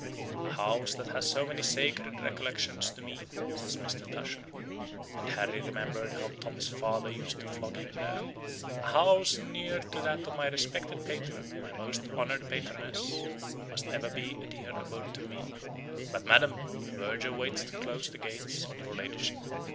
"A house that has so many sacred recollections to me," says Mr. Tusher (and Harry remembered how Tom's father used to flog him there) "a house near to that of my respected patron, my most honored patroness, must ever be a dear abode to me. But, madam, the verger waits to close the gates on your ladyship."